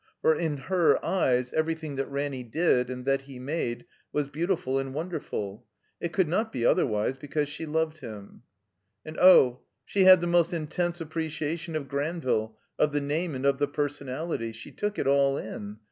For in her eyes everjrthing that Ran* ny did and that he made was beautiful and wonder ful. It could not be otherwise : because she loved him. And oh ! she had the most intense appreciation of Granville, of the name and of the personality. She took it all in.